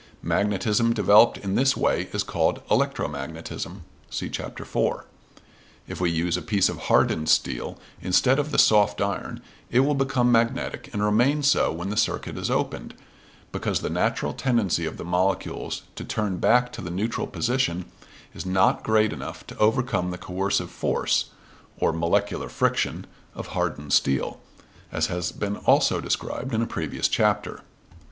Magnetism developed in this way is called electromagnetism. (See Chap. IV.) If we use a piece of hardened steel instead of the soft iron it will become magnetic and remain so when the circuit is opened, because the natural tendency of the molecules to turn back to the neutral position is not great enough to overcome the coercive force, or molecular friction, of hardened steel, as has been also described in a previous chapter.